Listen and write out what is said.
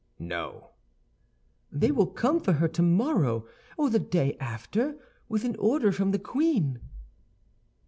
"No." "They will come for her tomorrow or the day after, with an order from the queen."